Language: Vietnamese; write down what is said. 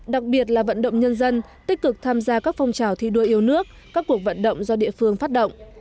đặc biệt là vận động nhân dân tích cực tham gia các phong trào thi đua yêu nước các cuộc vận động do địa phương phát động